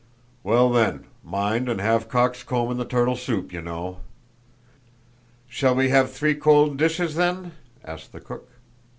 "Well then, mind and have cocks' comb in the turtle soup, you know!" "Shall we have three cold dishes then?" asked the cook.